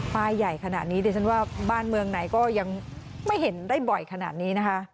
ป้ายใหญ่ขนาดนี้ดิฉันว่าบ้านเมืองไหนก็ยังไม่เห็นได้บ่อยขนาดนี้นะคะ